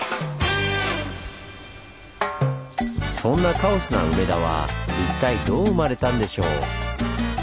そんなカオスな梅田は一体どう生まれたんでしょう？